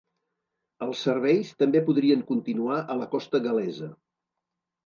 Els serveis també podrien continuar a la costa gal·lesa.